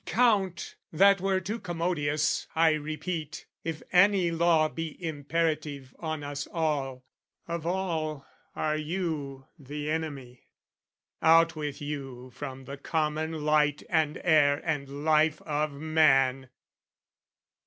Count, that were too commodious, I repeat! If any law be imperative on us all, Of all are you the enemy: out with you From the common light and air and life of man!